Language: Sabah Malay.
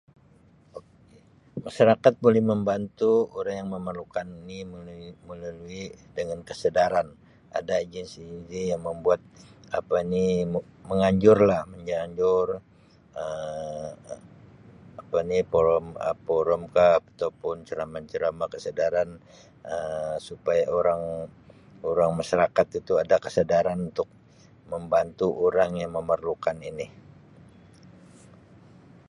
Ok masyarakat boleh membantu orang yang memerlukan ini melui-melalui dengan kesedaran ada agensi-agensi yang membuat apa ni menganjurlah menganjur Um apa ni por-porum kah ataupun ceramah-ceramah kesedaran Um supaya orang orang masyarakat itu ada kesedaran untuk membantu orang yang memerlukan ini.